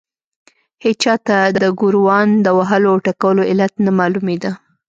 هېچا ته د ګوروان د وهلو او ټکولو علت نه معلومېده.